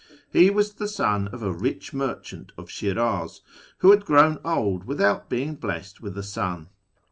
He was the son of a rich mer chant of Shiraz, who had grown old without being blessed with a son.